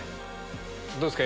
どうですか？